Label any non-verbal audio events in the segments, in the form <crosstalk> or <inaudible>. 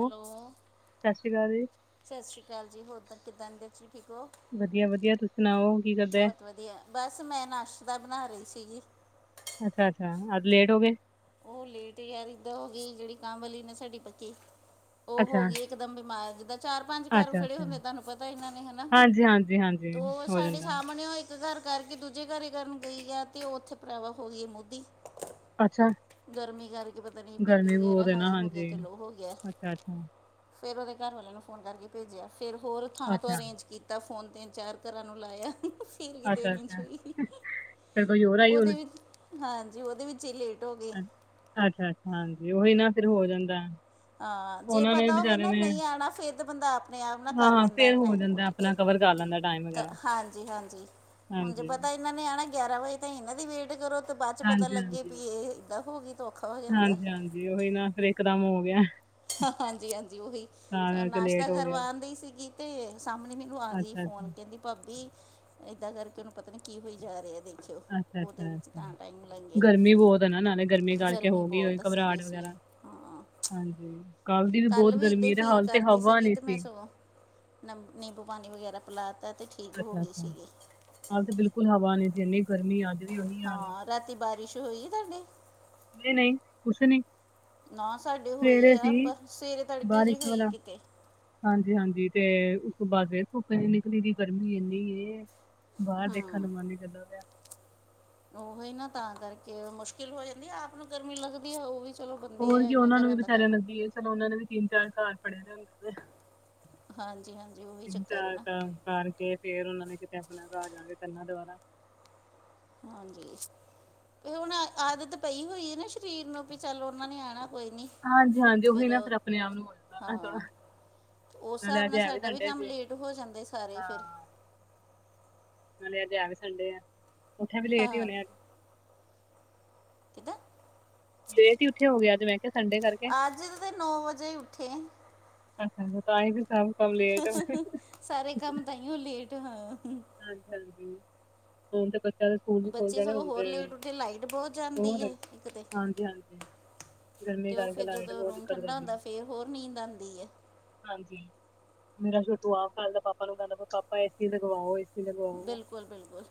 Hello, ਸਤਿ ਸ਼੍ਰੀ ਅਕਾਲ ਜੀ ਸਤਿ ਸ਼੍ਰੀ ਅਕਾਲ ਜੀ ਹੋਰ ਤਾਂ ਕਿੱਦਾਂ, ਤੂਸੀ ਠੀਕ ਹੋ। ਵਧੀਆ-ਵਧੀਆ, ਤੁਸੀਂ ਸੁਣਾਓ ਕੀ ਕਰਦੇ ਐ। ਬਹੁਤ ਵਧੀਆ ਬਸ ਮੈਂ ਨਾਸ਼ਤਾ ਬਣਾ ਰੀ ਸੀਗੀ ਅੱਛਾ, ਅੱਛਾ, ਅੱਜ ਲੇਟ ਹੋ ਗਏ ਉ ਲੇਟ ਯਾਰ ਏਦਾਂ ਹੋ ਗਈ, ਜਿਹੜੀ ਕੰਮ ਵਾਲੀ ਨਾ ਸਾਡੀ ਪੱਕੀ ਉ ਹੋ ਅੱਛਾ ਗਈ ਇੱਕ ਦਮ ਬਿਮਾਰ, ਜਿੱਦਾਂ ਚਾਰ ਪੰਜ ਘਰ ਅੱਛਾ ਫੜੇ ਅੱਛਾ ਹੁੰਦੇ ਤੁਹਾਨੂੰ ਪਤਾ, ਏਨਾਂ ਨੇ ਹਨਾ ਹਾਂਜੀ ਹਾਂਜੀ ਹਾਂਜੀ ਤੋ ਹੋ ਸਾਡੇ ਜਾਂਦਾ ਸਾਹਮਣੇ ਹੋੲ ਇੱਕ ਘਰ ਕਰਕੇ, ਦੂਜੇ ਘਰ ਕਰਨ ਗਈ ਐ, ਤੇ ਉਹ ਉੱਥੇ ਭਰਾਵਾ ਹੋ ਗਈ ਹੈ ਮੁਦੀ ਅੱਛਾ ਗਰਮੀ ਕਰਕੇ ਪਤਾ ਨਹੀਂ, ਬੀ ਪੀ ਗਰਮੀ ਵਗੈਰਾ ਬਹੁਤ ਹੈ ਨਾ ਹਾਈ ਹੋ ਗਿਆ, ਹਾਂਜੀ ਕਿ ਲੋਅ ਹੋ ਗਿਆ। ਅੱਛਾ ਅੱਛਾ ਫੇਰ ਉਹਦੇ ਘਰ ਵਾਲਿਆਂ ਨੂੰ ਫੋਨ ਕਰਕੇ ਭੇਜਿਆ, ਫਿਰ ਹੋਰ ਥਾਂ ਤੋਂ ਅੱਛਾ ਅਰੇਂਜ ਕਿਤ ਤਾ ਫੋਨ 'ਤੀਨ-ਚਾਰ ਘਰਾਂ ਨੂੰ ਲਾਇਆ ਕਿਤੇ ਅੱਛਾ ਅਰੇਂਜ ਅੱਛਾ ਹੋਈ, ਫਿਰ ਕੋਈ ਹੋਰ ਆਈ ਹੁਣ ਉਹਦੇ ਵਿੱਚ ਹਾਂਜੀ, ਉਹਦੇ ਵਿੱਚ ਇਹ ਲੇਟ ਹੋ ਗਈ ਅੱਛਾ-ਅੱਛਾ ਹਾਂਜੀ, ਉਹੀ ਨਾ ਫਿਰ ਹੋ ਜਾਂਦਾ ਹਾਂ, ਜੇ ਉਹਨਾਂ ਨੇ ਪਤਾ ਹੋਵੇ ਵਿਚਾਰੇ ਨਾ ਨੇ ਨਹੀਂ ਆਉਣਾ, ਫੇਰ ਤੇ ਬੰਦਾ ਆਪਣੇ ਆਪ ਨਾ ਹਾਂ ਕਰ ਹਾਂ ਲੈਂਦਾ ਫਿਰ ਹੋ ਟਾਈਮ, ਜਾਂਦਾ ਉੱਠ ਕੇ ਆਪਣਾ ਕਵਰ ਕਰ ਕੇ ਹਾਂਜੀ-ਹਾਂਜੀ ਹਨ ਜੇ ਪਤਾ ਇਹਨਾਂ ਨੇ ਆਣਾ, ਗਿਆਰਾਂ ਵਜੇ ਤਾਹੀ ਇਹਨਾਂ ਦੀ ਵੇਟ ਕਰੋ ਤੇ ਬਾਅਦ ਚ ਪਤਾ ਹਾਂਜੀ ਲੱਗੇ ਹਾਂਜੀ ਪੀ ਇਹ ਏਦਾਂ ਹੋਗੀ, ਤਾਂ ਔਖਾ ਹੋ ਜਾਂਦਾ। ਜੀ ਉਹੀ ਨਾ ਫੇਰ ਇਕਦਮ ਹੋ ਗਿਆ। ਹਾਂਜੀ-ਹਾਂਜੀ ਉਹੀ, ਤਾਂ ਕਰਕੇ ਨਾਸ਼ਤਾ ਲੇਟ ਹੋ ਗਿਆ ਕਰਵਾਉਣਦਗੀ ਸੀਗੀ, ਤੇ ਸਾਹਮਣੇ ਮ ਆ ਗਈ ਅੱਛਾ ਅੱਛਾ ਫੋਨ ਕਹਿੰਦੀ ਭਾਬੀ ਏਦਾਂ ਕਰਕੇ ਉਹਨੂੰ ਪਤਾ ਨੀ ਕੀ ਹੋਈ ਜਾ ਰਿਹਾਦੇ ਅੱਛਾ-ਅੱਛਾ ਅ ਗਰਮੀ ਬਹੁਤ ਹੈ ਨਾ ਨਾਲੇ ਗਰਮੀ ਗਾਲਕੇ ਹੋ ਗਈ ਹੋ ਬਹੁਤ ਆ ਘਬਰਾਹਟ ਸੀਰੀਅਸਲੀ ਵਗੈਰਾ। ਹਾਂ ਹਾਂਜੀ ਕੱਲ ਦੀ ਵੀ ਬਹੁਤ ਇਦਾਂ ਹੀ ਗਰਮੀ ਤੇ ਫੀਲ ਹਾਲ ਤੇ ਕਰਦੀ ਹਵਾ ਸੀਗੀ ਨੀ ਤੇ ਮੈਂ ਸੀ। ਸਗੋਂ ਨਮ ਨਿੰਬੂ ਪਾਣੀ ਵਗੈਰਾ ਪਲਾ ਤਾ ਅਤੇ ਠੀਕ ਹੋ ਗਈ ਅੱਛਾ-ਅੱਛਾ ਸੀਗੀ ਕਾਲ ਤੇ ਬਿਲਕੁਲ ਹਵਾ ਨ ਜੇ ਇੰਨੀ ਗਰਮੀ ਆੱਜ ਵੀ ਉਹੀ ਹਾਲ ਹੈ। ਹਾਂ ਰਾਤੀ ਬਾਰਿਸ਼ ਹੋਈ ਤੁਹਾਡੀ? ਨਹੀਂ-ਨਹੀਂ ਕੂਛ ਨਹੀਂ ਨਾ ਸਾਡੇ ਹੋਈ ਸਵੇਰੇ ਆ ਸੀ ਪਰ ਸਵੇਰੇ ਤੜਕੇ ਜ ਹੋਈ ਕਿਤੇ। ਹਾਂਜੀ-ਹਾਂਜੀ ਤੇ ਉਸ ਤੋਂ ਬਾਅਦ ਫੇਰ ਧੁੱਪ ਏਨੀ ਨਿਕਲੀ ਦੀ ਗਰਮੀ ਇੰਨੀ ਏ ਬਾਹਰ ਦੇਖਣ ਦਾ ਮਨ ਨੀ ਕਰਦਾ ਪੇਆ। ਉਹੀ ਨਾ ਤਾਂ ਕਰਕੇ ਮੁਸ਼ਕਿਲ ਹੋ ਜਾਂਦੀ ਹੈ ਆਪ ਨੂੰ ਗਰਮੀ ਲੱਗਦੀ ਹੈ ਉਹ ਵੀ ਚਲੋ ਬੰਦੇ ਹੋਰ ਆ ਕੀ ਇੰਨੇ ਉਹਨਾਂ ਨੂੰ ਵੀ ਘਰਾਂ ਦਾ ਵਿਚਾਰੇ ਕੰਮ ਲੱਗੀ ਏ ਚਲੋ ਉਹਨਾ ਦੇ ਵੀ ਤਿੰਨ ਚਾਰ ਪੜ੍ਹੇ ਜਾਣਗੇ। ਹਾਂਜੀ-ਹਾਂਜੀ ਉਹੀ ਚੱਕਰ ਹੈ ਚਾਰ ਨਾ। ਘਰ ਕਰਕੇ ਫ਼ਿਰ ਉਹਨਾਂ ਨੇਂ ਕਿੱਤੇ ਆਪਣਾਂ ਘਰ ਜਾਣਾ ਕਰਨਾਂ ਦੁਬਾਰਾ। ਹਾਂਜੀ। ਏਂ ਹੁਣ ਆਦਤ ਪਈ ਹੋਈ ਹੈਂ ਨਾ ਸ਼ਰੀਰ ਨੂੰ ਪਈ ਚੱਲ ਉਹਨਾਂ ਨੇਂ ਆਉਣਾਂ ਕੋਈ ਨੀਂ। ਹਾਂਜੀ ਹਾਂਜੀ ਉਹੀ ਨਾ ਫ਼ਿਰ ਆਪਣੇਂ ਆਪ ਨੂੰ ਹੋਰ ਤਰ੍ਹਾਂ ਥੋੜਾਂ ਹਾਂ ਉਸ ਸਾਬ ਨਾਲ਼ ਸਾਡਾ ਵੀ ਕੰਮ ਲੇਟ ਹੋ ਜਾਂਦੇਂ ਸਾਰੇ ਫ਼ਿਰ। ਨਾਲ਼ੇ ਅੱਜ ਹੈਂ ਵੀ ਸੰਡੇ ਆ। ਉੱਠੇ ਵੀ ਲੇਟ ਹੀ ਹਾਂ ਹੋਣੇਂ ਅੱਜ। ਕਿੱਦਾਂ। ਲੇਟ ਹੀ ਉੱਠਿਆ ਹੋ ਗਿਆ ਅੱਜ ਮੈਂ ਕਿਹਾ ਸੰਡੇ ਕਰਕੇ ਅੱਜ਼ ਤੇ ਨੌ ਵਜ਼ੇ ਹੀ ਉੱਠੇ ਅੱਛਾ ਅੱਛਾ ਤਾਈਂ ਫ਼ਿਰ ਸਭ। ਕੰਮ ਲੇਟ ਸਾਰੇ ਕੰਮ ਤਾਂਈਓਂ ਲੇਟ। ਹਾਂ ਹਾਂਜੀ, ਹਾਂਜੀ। ਹੁਣ ਤਾਂ ਬੱਚਿਆਂ ਸਕੂਲ ਵੀ ਖੁੱਲ ਬੱਚੇ ਜਾਣੇ ਸਗੋਂ ਹੁਣ ਹੋਰ ਤੇ ਲੇਟ ਉੱਠੇ। ਲਾਈਟ ਬਹੁਤ ਜਾਂਦੀ ਹੋਰ ਏਂ ਇੱਕ ਤੇ ਹਾਂਜੀ-ਹਾਂਜੀ ਗਰਮੀ ਤੇ ਉਹ ਕਰਕੇ ਫ਼ਿਰ ਲਾਈਟ ਜਦੋਂ ਬਹੁਤ ਰੂਮ ਦਿੱਕਤ ਠੰਢਾ ਕਰਦੀ ਹੈ ਹੁੰਦਾਂ। ਫ਼ਿਰ ਹੋਰ ਨੀਂਦ ਆਉਂਦੀ ਏਂ ਹਾਂਜੀ ਮੇਰਾ ਛੋਟੂ ਆਪ ਕਿਹ ਦੀਦਾ ਦਾ ਪਾਪਾਂ ਨੂੰ ਕਹਿੰਦਾਂ ਪਾਪਾ ਏਸੀ ਲਗਵਾਉ ਏਸੀ ਲਗਵਾਉ। ਬਿਲਕੁਲ ਬਿਲਕੁਲ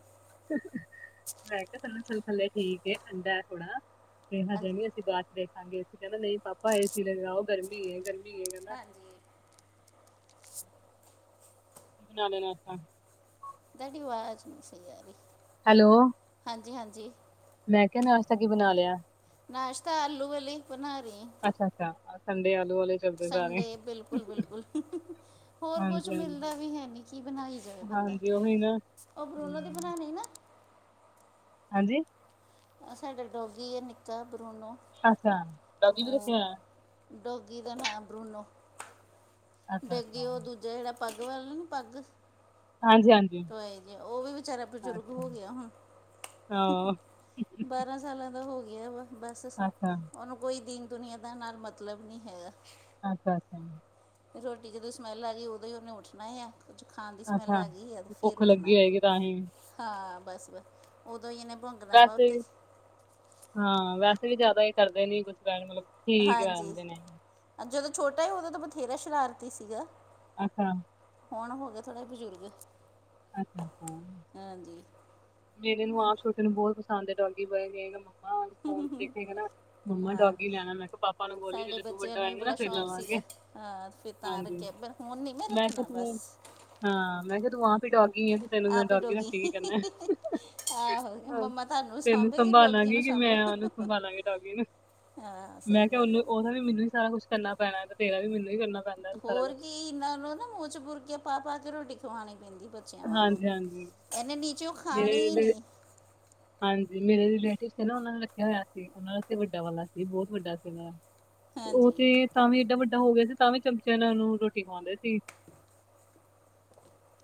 ਮੈਂ ਕਿਹਾਂ ਚਲੋਂ ਥਲ ਥੱਲੇ ਠੀਕ ਠੰਢਾ ਹੈਂ ਥੋੜਾਂ ਹਜੇ ਹਾਂਜੀ ਨੀਂ ਅਸੀਂ ਬਾਅਦ ਚ ਦੇਖਾਂਗੇ ਅਸੀਂ ਕਹਿੰਦਾਂ ਨਹੀਂ ਪਾਪਾ ਏ ਸੀ ਲਗਾਓ ਗਰਮੀ ਗਰਮੀ ਕਹਿੰਦਾ ਹਾਂਜੀ ਨਾਲ਼ੇ ਮੋਸਮ। ਤਾਡੀ ਵਾਜ ਨ੍ਹੀਂ ਸਹੀ ਆ ਰਹੀ ਹੈਲੋ। ਹਾਂਜੀ-ਹਾਂਜੀ ਮੈਂ ਕਿਹਾਿਆ ਨਾਸ਼ਤਾ ਕੀ ਬਣਾ ਲਿਆ, ਨਾਸ਼ਤਾ ਆਲੂ ਵਾਲੇ ਬਣਾ ਰਹੀ ਅੱਛਾ-ਅੱਛਾ ਸੰਡੇ ਆਲੂ ਵਾਲੇ ਚੱਲਦੇ ਸਾਰੇ ਸੰਡੇ ਬਿਲਕੁਲ-ਬਿਲਕੁਲ ਹੋਰ ਕੁੱਛ ਹਾਂਜੀ ਹਾਂਜੀ ਮਿਲ਼ਦਾ ਵੀ ਹੈਂ ਨੀਂ ਕੀ ਬਣਾਈ ਜਾਵੇ ਬੰਦਾਂ। ਹਾਂਜੀ ਉਹੀ ਨਾ ਉਖ ਰੂਨੋ ਦੇ ਹਮ ਬਣਾਉਣੇ ਨਾ। ਹਾਂਜੀ। ਸਾਡਾ ਡੋਗੀ ਆ ਨਿੱਕਾ ਬਰੂਨੋ। ਅੱਛਾ। ਡੋਗੀ ਵੀ ਰੱਖਿਆ ਆ ਹੋਇਆ ਡੋਗੀ ਦਾ ਨਾਂ ਬਰੁਣੋ। ਅੱਛਾ ਡੱਗੀ। ਅੱਛਾ ਉਹ ਦੂਜ਼ਾ ਜਿਹੜਾਂ ਪਗ ਵਲ ਨੀਂ ਪੱਗ। ਹਾਂਜੀ, ਹਾਂਜੀ। ਉਹ ਵੀ ਵਿਚਾਰਾਂ ਬਜ਼ੁਰਗ ਅੱਛਾ ਹੋ ਗਿਆਂ ਹੁਣ। ਹਾਂ ਬਾਰਾਂ ਸਾਲਾਂ ਦਾ ਹੋ ਗਿਆਂ ਵਾ ਬਸ ਅੱਛਾ ਉਹਨੂੰ ਕੋਈ ਦੀਨ ਦੁਨੀਆਂ ਦਾ ਨਾਲ਼ ਮੱਤਲਬ ਨੀਂ ਹੈਗਾ। ਅੱਛਾ, ਅੱਛਾ। ਰੋਟੀ ਜਦੋਂ ਸਮੈਲ ਆਗੀ। ਉਦੋਂ ਹੀ ਉਹਨੇਂ ਉੱਠਣਾ ਐ। ਕੁੱਝ ਖਾਣ ਦੀ ਸਮੈਲ ਅੱਛਾ ਆ ਗਈ ਫ਼ਿਰ ਭੁੱਖ ਉੱਠਣਾ। ਲੱਗੀ ਹੋਏਗੀ ਤਾਂ ਹੀ ਹਾਂ ਬਸ ਬਸ ਉਦੋਂ ਹੀ ਇਹਨੇ ਮੋਹ। ਵੈਸੇ ਵੀ। ਹਾਂ ਵੈਸੇ ਵੀ ਜ਼ਿਆਦਾ ਇਹ ਕਰਦੇ ਨੀਂ ਕੁੱਛ ਬਹਿਣ ਵਾਲਾਂ ਹਾਂਜੀ ਜਦੋਂ ਛੋਟਾਂ ਹੀ। ਉਦੋਂ ਤਾਂ ਬਥੇਰਾ ਸ਼ਰਾਰਤੀ ਸੀਗਾ। ਅੱਛਾ। ਹੁਣ ਹੋਂਗੇ ਥੋੜੇ ਬਜ਼ੁਰਗ਼। ਅੱਛਾ। ਮੇਰੇ ਨੂੰ ਹੁਣ ਆਪ ਛੋਟੇ ਨੂੰ ਬਹੁਤ ਪਸੰਦ ਏ। <inaudible> ਆ ਦੇਖੋ ਦੇਖੇਂਗਾ ਨਾ। ਮੰਮਾ ਹਾਂ ਡੋਗੀ ਲੈਣਾਂ। ਮੈਂ ਕਿਹਾਂ ਪਾਪਾਂ ਨੂੰ ਬੋਲੀਂ ਸਾਡੇ ਜੇ ਤੂੰ ਬੱਚਿਆਂ ਵੱਡਾ ਨੂੰ ਵੀ ਹੋਏਂਗਾ ਨਾ ਬੜਾ ਫ਼ਿਰ ਸ਼ੌਂਕ ਸੀਗਾ ਲਵਾਂਗੇ। ਹਾਂ ਫ਼ਿਰ ਤਾਂ ਹਾਂਜੀ ਰੱਖਿਆਂ। ਪਰ ਹੁਣ ਨ੍ਹੀਂ ਮੈਂ ਕਿਹਾ ਰੱਖਣਾਂ ਬਸ। ਤੂੰ ਹਾਂ। ਮੈਂ ਕਿਹਾਂ ਤੂੰ ਆਪ ਹੀ ਡੋਗੀ ਏਂ। ਤੈਂਨੂੰ ਮੈਂ ਆਪ ਹੀ ਡੋਗੀ ਰੱਖ ਕੇ ਕੀ ਕਰਨਾ। ਆਹੋ ਹਾਂਜੀ। ਮੰਮਾ ਤੁਹਾਨੂੰ ਤੈਂਨੂੰ ਸਾਂਭੇਗੀ ਡੋਗੀ ਸੰਭਾਲਾਂਗੀ ਨੂੰ ਕਿ ਮੈਂ ਸਾਂਭੂ ਉਹਨੂੰ ਸੰਭਾਲਾਂਗੀ ਡੋਗੀ ਨੂੰ। ਹਾਂ ਸਹੀ ਮੈਂ ਕਿਹਾਂ ਗੱਲ ਉਹਨੂੰ ਹੈ। ਉਹਦਾ ਵੀ ਮੈਂਨੂੰ ਹੀ ਸਾਰਾਂ ਕੁੱਛ ਕਰਨਾਂ ਪੈਣਾਂ ਤੇ ਤੇੇਰਾ ਵੀ ਮੈਂਨੂੰ ਹੀ ਕਰਨਾਂ ਪੈਣਾ ਸਾਰਾਂ ਕੁੱਛ। ਨਾਲ਼ ਰੋਜ਼ ਨਾ ਮੂੰਹ ਚ ਬੁਰਕੀਆਂ ਪਾ ਪਾ ਕੇ ਰੋਟੀ ਖਵਾਉਣੀ ਪੈਂਦੀ। ਬੱਚਿਆਂ ਵਾਂਗੂ ਹਾਂਜੀ ਹਾਂਜੀ ਇਹਨੇ ਨੀਚੲੌ ਮੇਰੇ ਖਾਣੀਂ ਰਿਲੇ- ਨੀਂ। ਹਾਂਜੀ ਮੇਰੇ ਰਿਲੇਟਿਵ ਸੀ ਨਾ ਉਹਨ੍ਹਾਂ ਨੇ ਰੱਖਿਆਂ ਹੋਇਆਂ ਸੀ। ਉਹਨਾਂ ਦਾ ਵੱਡਾ ਵਾਲਾਂ ਸੀ। ਬਹੁਤ ਵੱਡਾ ਸੀ। ਉਹ ਹਾਂਜੀ ਤੇ ਤਾਂ ਵੀ ਏਡਾ ਵੱਡਾ ਹੋ ਗਿਆਂ ਸੀ। ਤਾਂ ਵੀ ਚਮਚਿਆਂ ਨਾਲ ਰੋਟੀ ਖਵਾਉਂਦੇ ਸੀ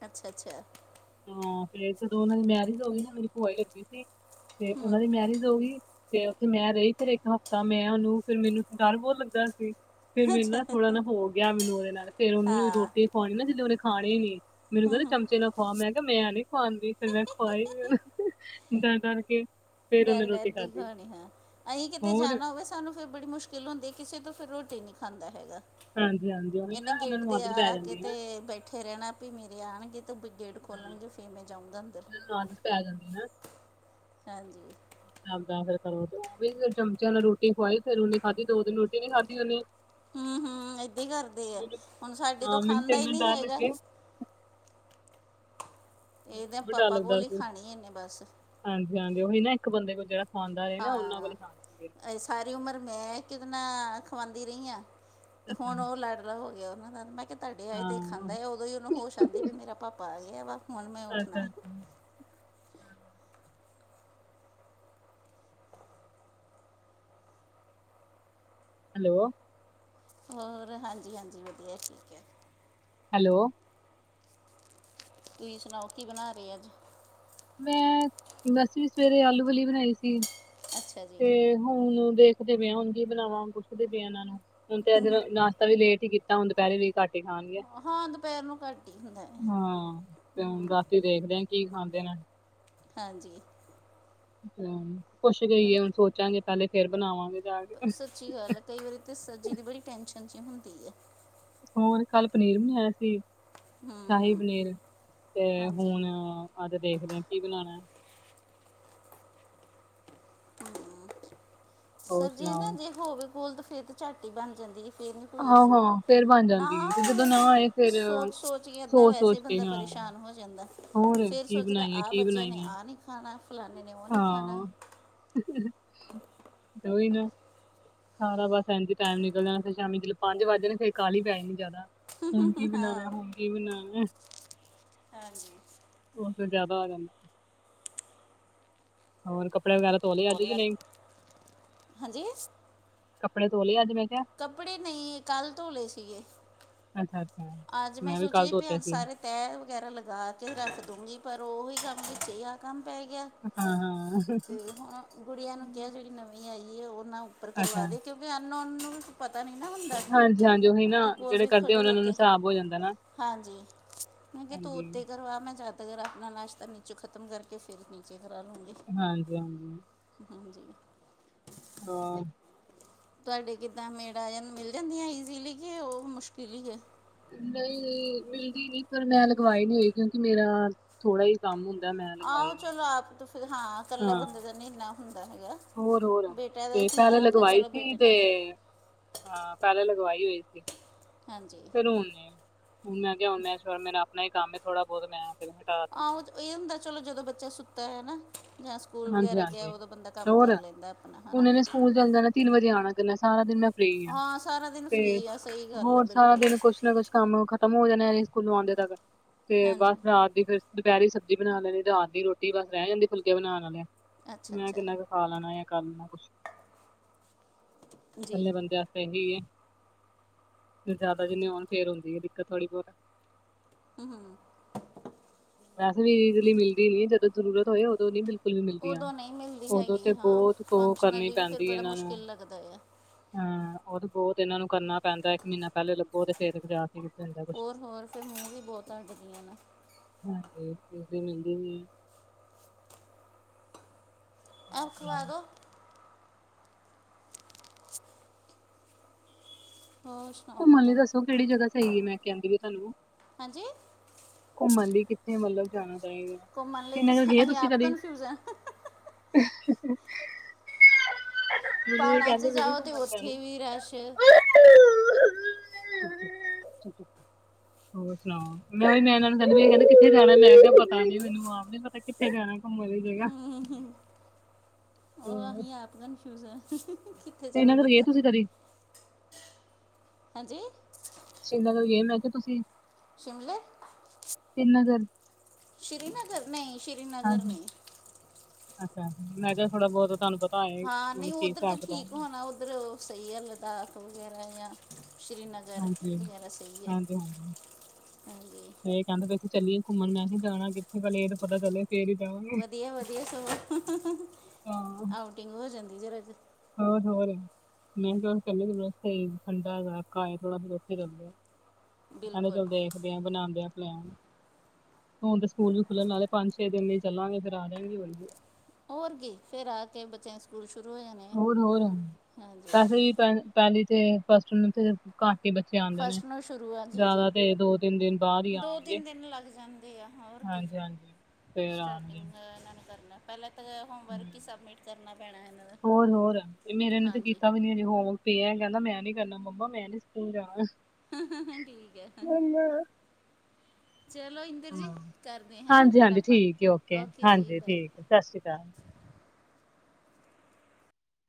ਅੱਛਾ ਅੱਛਾ ਹਾਂ ਫ ਜਦੋਂ ਉਹਨਾਂ ਦੀ ਮੈਰਿਜ ਹੋ ਗਈ ਨਾ ਮੇਰੀ ਭੂਆਈ ਲੱਗੀ ਸੀ ਤੇ ਹੂੰ ਉਹਨਾਂ ਦੀ ਮੈਰਿਜ ਹੋ ਗਈ ਤੇ ਉੱਥੇ ਮੈਂ ਰਹੀ ਫਿਰ ਇੱਕ ਹਫ਼ਤਾ ਮੈਂ ਉਹਨੂੰ ਫਿਰ ਮੈਨੂੰਥ ਡਰ ਬਹੁਤ ਲੱਗਦਾ ਸੀ ਫੇਰ ਮੈਨੂੰ ਅੱਛਾ ਨਾ ਥੋੜਾ ਨਾ ਹੋ ਗਿਆ ਮੈਨੂੰ ਉਹਦੇ ਨਾਲ਼ੇਰ ਉਹਨੂੰ ਹਾਂ ਰੋਟੀ ਖਵਾਉਣੀ ਨਾ ਜੇ ਉਹਨੇ ਖਾ ਹੀ ਨੀ ਮੈਨੂੰ ਹੂੰ ਕਹਿੰਦਾ ਹੂੰ ਚਮਚੇ ਨਾਲ ਖੁਆ ਮੈਂ ਕਿਹਾ ਮੈਂ ਨੀ ਖੁਂਦੀ ਫਿਰ ਮੈਂ ਖਵਾਈ ਵੀ ਡਰ ਡਰ ਕੇ ਫਿਰ ਉਹਨੇ ਡਰ ਡਰ ਰੋਟੀ ਕੇ ਖਾਧੀ ਖਣੀ ਹਾਂ ਅਸੀਂ ਕਿਤੇ ਹੋਰ ਜਾਣਾ ਹੋਵੇ ਸਾਨੂੰ ਫੇਰ ਬੜੀ ਮੁਸ਼ਕਿਲ ਹੁੰਦੀ ਹੈ ਕਿਸੇ ਤੋਂ ਫਿਰ ਰੋਟੀ ਨ ਨਹੀਂ ਖਾਂਦਾ ਹੈਗਾ ਹਾਂਜੀ ਹਾਂਜੀ ਉਹੀ ਨਾ ਇਹਨੇ ਇਹਨਾਂ ਗੇਟ ਨੂੰ ਦੇ ਆਦਤ ਪੈ ਆ ਕੇ ਜਾਂਦੀ ਹੈ ਤੇ ਨਾ। ਬੈਠੇ ਇਕੱਠੇ ਰਹਿਣਾ ਵੀ ਮੇਰੇ ਆਉਣਗੇ ਤਾਂ ਗੇਟ ਹਾਂ ਖੋਲਣਗੇ ਫਿਰ ਮੈਂ ਜਾਊਂਗਾ ਅੰਦਰ ਇਹਨਾਂ ਆਦਤ ਪੈ ਜਾਂਦੀ ਨਾ ਹਾਂਜੀ ਉਹ ਵੀ ਚਮਚਿਆਂ ਨਾਲ ਰੋਟੀ ਖਵਾਈ ਫਿਰ ਨੀ ਖਾਧੀ ਦੋ ਦਿਨ ਰੋਟੀ ਨੀ ਖਾਧੀ ਓਨੀ ਹੂੰ, ਹੂੰ ਏਦਾਂ ਹੀ ਕਰਦੇ ਆ ਹੁਣ ਸਾਡੇ ਤੋਂ ਹਾਂ ਮੈਨੂੰ ਤੇ ਖਾਂਦਾ ਹੀ ਇੰਨਾ ਨਹੀਂ ਡਰ ਹੈਗਾ ਲੱਗੇ ਮੈਨੂੰ ਇਹ ਤੇ ਤਾਂ ਬਹੁਤ ਡਰ ਪਾਪਾ ਲੱਗਦਾ ਕੋਲ ਹੀ ਸੀ ਖਾਣੀ ਨੇ ਬਸ ਹਾਂਜੀ ਹਾਂਜੀ ਉਹੀ ਨਾ ਇੱਕ ਬੰਦੇ ਕੋ ਜਿਹੜਾ ਖਵਾਉਂਦਾ ਰਹੇ ਨਾ ਉਹਨਾਂ ਕੋਲ ਹਾਂ ਹੀ ਖਾਣੀ ਹੁੰਦੀ ਇਹ ਸਾਰੀ ਉਮਰ ਮੈਂ ਕਿਤਨਾ ਖਵਾਉਂਦੀ ਰਹੀ ਹਾਂ ਤੇ ਹੁਣ ਅੱਛਾ ਉਹ ਲਾਡਲਾ ਹੋ ਗਿਆਂ ਉਹਨਾਂ ਦਾ। ਮੈਂ ਕਿਹਾਂ ਤੁਹਾਡੇ ਆਏਂ ਤੇ ਹਾਂ ਖਾਂਦਾ ਏਂ। ਉਦੋਂ ਹੀ ਉਹਨੂੰ ਹੋਸ਼ ਆਂਦੀ ਵੀ ਮੇਰਾ ਭਾਪਾ ਆਗੇ। ਫ਼ਿਰ ਮੈਂ ਫ਼ੋਨ ਮੇਂ ਉੱਠਣਾ ਅੱਛਾ ਏਂ। ਅੱਛਾ <inaudible> ਹੈਲੋ। ਹੋਰ ਹਾਂਜੀ ਹਾਂਜੀ ਵਧੀਆ ਠੀਕ ਹੈ ਹੈਲੋ ਤੁਸੀਂ ਸੁਣਾਓ ਕੀ ਬਣਾ ਰਹੇ ਅੱਜ ਮੈਂ ਦਸ ਵੀ ਸਵੇਰੇ ਆਲੂਵਲੀ ਬਣਾਈ ਸੀ ਅੱਛਾ ਜੀ ਤੇ ਹੁਣ ਦੇਖਦੇ ਪਏ ਹੁਣ ਕੀ ਬਣਾਵਾਂ ਪੁੱਛਦੇ ਪਏ ਇਹਨਾਂ ਨੂੰ ਹੁਣ ਤੇ ਨਾਸ਼ਤਾ ਵੀ ਲੇਟ ਹੀ ਕੀਤਾ ਹੁਣ ਦੁਪਹਿਰੇ ਵੀ ਘੱਟ ਹੀ ਖਾਣਗੇ ਹਾਂ ਦੁਪਹਿਰ ਨੂੰ ਘੱਟ ਹੀ ਹੁੰਦਾ ਹਾਂ ਤੇ ਹੁਣ ਰਾਤੀ ਦੇਖਦੇ ਆਾਂ ਕੀ ਖਾਂਦੇ ਨੇ ਹਾਂਜੀ ਹ ਕੁੱਛ ਇਹ ਤਾਂ ਕੇਈਏ ਹੁਣ ਸੋਚਾਂਗੇ ਪਹਿਲੇ ਫੇਰ ਬਣਾਵਾਂਗੇ ਜਾ ਕੇ ਸੱਚੀ ਗੱਲ ਹੈ ਕਈ ਵਾਰੀ ਤੇ ਸਰਜੀ ਦੀ ਬੜੀ ਟੈਂਨਸ਼ਨ ਚ ਹੁੰਦੀ ਹੈ ਹੋਰ ਕੱਲ ਪਨੀਰ ਬਣਾਇਆ ਸੀ ਹੂੰ ਸ਼ਾਹੀ ਹੂੰ ਪਨੀਰ ਤੇ ਹਾਂਜੀ ਹੁਣ ਆਹ ਤੇ ਦੇਖਦੇ ਆ ਕੀ ਬਣਾਉਣਾ ਹੋਰ ਸਰ ਜੇ ਨਾ ਸੁਣਾਓ ਜੇ ਹੋਵੇ ਗੋਲ ਦਫੇਰ ਤੇ ਝਾਟੀ ਬਣ ਜਾਂਦੀ ਹੈ ਤੇਰਾ ਕੋਈ ਹਾਂ ਇਸ਼ੂ ਹਾਂ ਫੇਰ ਬਣ ਨਾ ਜਾਂਦੀ ਹੈ ਤੇ ਜਦੋਂ ਹੋਵੇ ਨਾ ਆਏ ਫੇਰ ਸੋਚ-ਸੋਚ ਕੇ ਇੱਦਾਂ ਸੋਚ ਵੈਸੇ ਸੋਚ ਕੇ ਬੰਦਾ ਹਾਂ ਪਰੇਸ਼ਾਨ ਹੋ ਜਾਂਦਾ ਹੋਰ ਫਿਰ ਕੀ ਸੋਚਦਾ ਬਣਾਈਏ ਆਹ ਕੀ ਬੱਚਿਆਂ ਨੇ ਬਣਾਈਏ ਆਹ ਨੀ ਖਾਣਾ। ਫਲਾਣੇ ਨੇ ਉਹ ਨਹੀਂ ਖਾਣਾ ਹਾਂ ਉਹੀ ਨਾ। ਸਾਰਾ ਬਸ ਇੰਜ ਹੀ ਟਾਈਮ ਨਿਕਲ ਜਾਣਾ ਫਿਰ ਸ਼ਾਮੀ ਜਦ ਪੰਜ ਵੱਜ ਜਾਣੇ ਫੇਰ ਕਾਲੀ ਪੈ ਜਾਣੀ ਜਾਦਾ। ਹੁਣ ਕੀ ਬਣਾਣਾ, ਹਾਂ ਹੁਣ ਕੀ ਬਣਾਣਾ ਹਾਂਜੀ ਉਹ ਤੇ ਜਿਆਦਾ ਆ ਜਾਂਦਾ। ਹੋਰ ਕੱਪੜੇ ਵਗੈਰਾ ਧੋ ਲੇ ਆਜ ਕਿ ਤੋਲੇ ਅੱਜ ਨਈਂ। ਹਾਂਜੀ ਕੱਪੜੇ ਧੋ ਲਏ ਅੱਜ ਮੈਂ ਕਿਹਾ? ਕੱਪੜੇ ਨਹੀ ਕੱਲ ਧੋਲੇ ਸੀਗੇ। ਅੱਛਾ-ਅੱਛਾ ਅੱਜ ਮੈਂ ਵੀ ਕੱਲ ਸੋਚਿਆ ਧੋਤੇ ਅੱਜ ਸੀ, ਸਾਰੇ ਤੈਅ ਵਗੈਰਾ ਲਗਾ ਕੇ ਰੱਖ ਦੂੰਗੀ ਪਰ ਉਹੀ ਕੰਮ ਵਿੱਚ ਜਿਹਾ ਕੰਮ ਪੈ ਗਿਆ। ਹਾਂ-ਹਾਂ, ਤੇ ਹੁਣ ਗੁੜੀਆਂ ਨੂੰ ਕਿਹਾ ਜਿਹੜੀ ਨਵੀਂ ਨਵੀ ਆਈਏ ਉਹ ਨਾ ਉੱਪਰ ਅੱਛਾ, ਕਰਵਾ ਦੇ ਕਿਉਂਕਿ ਅਨਨੋਨ ਨੂੰ ਪਤਾ ਨੀ ਨਾ ਹੁੰਦਾ ਹਾਂਜੀ-ਹਾਂਜੀ ਉਹੀ ਨਾ ਉਹਦੇ ਕੋਲ ਜਿਹੜੇ ਵੀ ਕਰਦੇ ਖੜੇ ਉਹਨਾਂ ਹੋ ਨੂੰ ਕੇ ਹਿਸਾਬ ਹੋ ਜਾਂਦਾ ਨਾ। ਹਾਂਜੀ ਮੈਂ ਕਿਹਾ ਤੂੰ ਹਾਂਜੀ, ਉੱਤੇ ਕਰਵਾ ਮੈਂ ਜਦ ਤੱਕ ਆਪਣਾ ਨਾਸ਼ਤਾ ਨੀਚੇ ਖਤਮ ਕਰਕੇ ਫਿਰ ਨੀਚੇ ਕਰਾ ਲੂੰਂਗੀ। ਹਾਂਜੀ-ਹਾਂਜੀ। ਹਾਂਜੀ। ਹਾਂ। ਤੁਹਾਡੇ ਕਿੱਦਾਂ ਮੇੜ ਆ ਜਾਨ ਮਿਲ ਜਾਂਦੀਆਂ ਈਜ਼ੀਲੀ ਕਿ ਉਹ ਮੁਸ਼ਕਿਲ ਹੀ ਹੈ। ਨਈ ਮਿਲਦੀ ਨੀ ਪਰ ਮੈਂ ਲਗਵਾਈ ਨਹੀਂ ਹੋਈ ਕਿਉਂਕਿ ਮੇਰਾ ਥੋੜਾ ਹੀ ਕੰਮ ਹੁੰਦਾ ਮੈਂ ਆਹੋ ਲਗਵਾਈ ਨੀ, ਚਲੋ ਆਪ ਤ ਫਿਰ ਹਾ ਕੱਲੇ ਹਾਂ, ਬੰਦੇ ਦਾ ਨੀ ਇੰਨਾ ਹੁੰਦਾ ਹੈਗਾ। ਹੋਰ-ਹੋਰ ਬੇਟਾ ਦਾ ਤੇ ਪਹਿਲੇ ਖਿਲਾਰਾ ਹੁੰਦਾ ਲਗਵਾਈ ਚਲੋ ਸੀ ਬੇਟੇ ਤੇ ਨਾਲ ਹਾ ਪਹਿਲੇ ਲਗਵਾਈ ਹੋਈ ਸੀ ਹਾਂਜੀ ਫਿਰ ਹੁਣ ਨੀ। ਹੁ ਮੈਂ ਕਿਹਾ ਹੁਣ ਮੈਂ <unintelligible> ਮਿਨ ਆਪਣਾ ਹੀਮ ਥੋੜਾ ਬਹੁਤ ਮੈਂ ਫਿਰ ਹਟਾ ਤੀ ਆਹੋ ਸੀ, ਇਹ ਹੁੰਦਾ ਚਲੋ ਜਦੋਂ ਬੱਚਾ ਸੁੱਤਾ ਹੋਇਆ ਨਾ ਜਾ ਸਕੂਲ ਵਗੈਰਾ ਗਿਆ ਹਾਂਜੀ-ਹਾਂਜੀ। ਉਹਦਾ ਬੰਦਾ ਕੰਮ ਹੋਰ, ਕਰ ਲੈਂਦਾ ਆਪਣਾ ਹੈ ਹੁਣ ਨਾ। ਇਹਨੇ ਸਕੂਲ ਚੱਲ ਜਾਣਾ ਤਿੰਨ ਵਜੇ ਆਣਾ ਕਰਨਾ ਸਾਰਾ ਦਿਨ ਮੈਂ ਫ੍ਰਰੀ ਹਾਂ ਸਾਰਾ ਦਿਨ ਤੇ ਫ੍ਰੀ ਆ ਸਹੀ ਗੱਲ ਹੈ ਹੋਰ ਸਾਰਾ ਬਿਲਕੁਲ ਦਿਨ ਕੁਛ ਨਾ ਕੁਛ ਕੰਮ ਖ਼ਤਮ ਹੋ ਜਾਣੇ ਸਕੂਲੋਂ ਆਉਂਦੇ ਤੱਕ ਤੇ ਬਸ ਹਾਂਜੀ ਰਾਤ ਫਿਰ ਦੁਪਹਿਰੀ ਸਬਜ਼ੀ ਬਣਾ ਲੈਣੀ ਰਾਤ ਦੀ ਰੋਟੀ ਬਸ ਰਹਿ ਜਾਂਦੀ ਫੁਲਕੇ ਬਣਾਣ ਆਲੇ। ਅੱਛਾ ਮੈਂ ਅੱਛਾ ਕਿੰਨਾ ਕੁ ਖਾ ਲੈਣਾ ਜਾ ਕਰ ਲੈਣਾ ਕੁਛ ਕੱਲੇ ਜੀ ਬੰਦੇ ਆ ਸਹੀ ਵੀ ਏ ਜਾਦਾ ਜਿਨੇ ਹੋਣ ਫੇਰ ਹੁੰਦੀ ਹੈ ਦਿੱਕਤ ਥੋੜ੍ਹੀ ਬੌਤ। ਹੂੰ-ਹੂੰ ਵੈਸੇ ਵੀ ਈਜੀਲੀ ਮਿਲਦੀ ਨੀ ਜਦੋਂ ਜ਼ਰੂਰਤ ਹੋਏ ਉਦੋਂ ਨੀ ਮਿਲ ਬਿਲਕੁਲ ਨੀ ਮਿਲਦੀਆ ਉਦੋਂ ਨਹੀਂ ਮਿਲਦੀ ਉਦੋਂ ਤੇ ਹੈਗੀ ਹਾਂ ਬਹੁਤ ਕੁ ਕਰਨੀ ਫੰਕਸ਼ਨਲੀ ਵੀ ਫਿਰ ਪੈਂਦੀ ਹੈ ਬੜਾ ਇਹਨਾਂ ਨੂੰ। ਮੁਸ਼ਕਿਲ ਲੱਗਦਾ ਆ ਹਾ ਉਹ ਤੇ ਬਹੁਤ ਇਹਨਾ ਨੂੰ ਕਰਨਾ ਪੈਂਦਾ ਇੱਕ ਮਹੀਨਾ ਪਹਿਲੇ ਲੱਭੋ ਤੇ ਫੇਰ ਜਾ ਕੇ ਹੁੰਦਾ ਕੁਛ ਹੋਰ-ਹੋਰ ਫਿਰ ਮੂੰਹ ਵੀ ਬੋਹਤ ਅਡਦੀਆ ਨਾ। ਹਾਂਜੀ ਜਲਦੀ ਮਿਲਦੀ ਨੀ ਹੈ। ਅ ਹੋਰ ਸੁਣਾਓ ਖਵਾਦੋਂ। ਹੋਰ ਸੁਣਾਓ ਘੁੰਮਣ ਲਈ ਕਿੱਦਾਂ ਦੱਸੋ ਕਿਹੜੀ ਜਗ੍ਹਾ ਸਹੀ ਹੈ ਮੈਂ ਕਹਿੰਦੀ ਵੀ ਤੁਹਾਨੂੰ। ਹਾਂਜੀ। ਘੁੰਮਣ ਲਈ ਕਿੱਥੇ ਮਤਲਬ ਜਾਣਾ ਚਾਹੀਦਾ। ਘੁੰਮਣ ਲਈ ਤਾਂ ਸ ਸ੍ਰੀਨਗਰ ਗਏ ਤੁਸੀਂ ਆਪ ਕਦੇ ਕਨਫਿਊਜ ਹੈ। ਮੈਨੂੰ ਇਹ ਪਹਾੜਾਂ 'ਚ ਕਹਿੰਦੇ ਪੈ ਨੇ ਜਾਓ ਤੇ ਘੁੰਮਣ ਜਾਨੂੰ। ਉੱਥੇ ਵੀ ਰਸ਼ ਹੋਰ ਸੁਣਾਓ? ਕਹਿੰ ਕਹਿੰਦਾ ਕਿੱਥੇ ਜਾਣਾ, ਲੈ ਤਾਂ ਪਤਾ ਨੀ ਮੈਨੂੰ ਆਪ ਵੀ ਨਹੀਂ ਪਤਾ, ਕਿੱਥੇ ਜਾਣਾ ਘੁੰਮਣ ਵਾਲੀ ਜਗ੍ਹਾ। ਉਹ ਅਸੀਂ ਆਪ ਕਨਫਿਊਜ ਆਂ। ਤੇ ਇਹਨਾਂ ਘਰ ਗਏ ਤੁਸੀਂ ਕਦੀ। ਹਾਂਜੀ। ਸ੍ਰੀਨਗਰ ਗਏ, ਮੈਂ ਕਿਹਾ ਤੁਸੀਂ। ਸ਼ਿਮਲੇ, ਸ੍ਰੀਨਗਰ ਸ਼੍ਰੀਨਗਰ, ਨਹੀਂ ਸ਼੍ਰੀਨਗਰ ਹਾਂਜੀ ਨਹੀਂ। ਅੱਛਾ, ਮੈਂ ਕਿਹਾ ਥੋਡਾ ਬਹੁਤ ਧੰਨਵਾਦ। ਹਾਂ, ਨਹੀਂ ਉੱਧਰ ਤਾਂ ਠੀਕ ਹੋਣਾ, ਉੱਧਰ ਸਹੀ ਆ, ਲਦਾਖ ਵਗੈਰਾ ਜਾਂ ਸ਼੍ਰੀਨਗਰ। ਹਾਂਜੀ ਘਰ ਵਗੈਰਾ ਸਹੀ ਐ, ਹਾਂਜੀ ਹਾਂਜੀ। ਕਹਿੰਦਾ ਬਸ ਚੱਲੀਏ ਘੁੰਮਣ, ਮੈਂਂ ਕਿਹਾ ਜਾਣਾ ਕਿਥੇ ਵਧੀਆ- ਵਧੀਆ ਸਗੋਂ ਹਾਂ ਆ ਫੀਟਿੰਗ ਹੋ ਜਾਂਦੀ ਐ ਜਰਾ ਜੀ। ਹੋਰ- ਹੋਰ ਮੇਨਟੇਨ ਸਹੀ ਠੰਡਾ ਘਰ ਥੋੜਾ <inaudible> ਬ ਚ ਕਹਿੰਦੇ ਬਿਲਕੁਲ ਚਲ ਦੇਖਦੇ ਆ ਬਣਾਂਦੇ ਆ ਪਲੈਨ, ਹੁਣ ਤੇ ਸਕੂਲ ਵੀ ਖੁੱਲਣ ਆਲੇ ਪੰਜ ਛੇ ਦਿਨ ਲਈ ਚੱਲਾਂਗੇ, ਫੇਰ ਆ ਜਾਆਂਗੇ ਬਲਕਿ। ਹੋਰ ਕੀ, ਫੇਰ ਆ ਕੇ ਬੱਚੇ ਦੇ ਸਕੂਲ ਸ਼ੁਰੂ ਹੋ ਜਾਣੇ ਐ, ਹੋਰ ਹੋਰ ਹਾਂਜੀ। ਵੈਸੇ ਵੀ ਪਹਿਲੀ ਤੇ ਫਸਟ ਨੂੰ ਤੇ ਘੱਟ ਹੀ ਬੱਚੇ ਆਂਦੇ ਨੇ, ਫਸਟ ਨੂੰ ਸ਼ੁਰੂ ਆ ਜੀ ਜੀ ਜ਼ਿਆਦਾ ਤੇ ਦੋ ਤਿੰਨ ਦਿਨ ਬਾਅਦ ਹੀ ਆਣਗੇ। ਦੇ ਆਂ ਹੋਰ ਕੀ, ਆਉਣਗੇ ਸਟਾਟਿੰਗ ਇਹਨਾਂ ਨੇ ਕਰਨਾ। ਪਹਿਲਾਂ ਤਾਂ ਹਮ, ਹੋਮਵਰਕ ਹੀ ਸਬਮਿਟ ਕਰਨਾ ਪੈਣਾ ਇਹਨਾਂ ਦਾ, ਹੋਰ ਹੋਰ ਇਹ ਮੇਰੇ ਨੇ ਹਾਂਜੀ। <inaudible> ਹੋਮਵਰਕ ਪੀਅਨ ਕਹਿੰਦਾ ਮੈਂ ਨੀ ਕਰਨਾ ਮੰਮਾ, ਮੈਂ ਨੀ ਸਕੂਲ ਜਾਣਾ। ਠੀਕ ਹੈ ਚਲੋ ਇੰਦਰ ਜੀ ਹਾਂ, ਕਰਦੇ ਹਨਾ ਫਿਰ ਆਪਾਂ, ਓਕੇ ਜੀ ਬਾਏ। ਸਸ ਰੀ ਕਾਲ।